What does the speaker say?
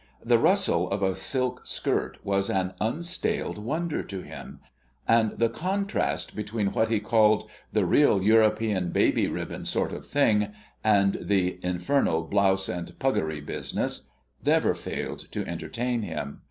The rustle of a silk skirt was an unstaled wonder to him; and the contrast between what he called the "real European baby ribbon sort of thing" and the "infernal blouse and puggaree business" never failed to entertain him.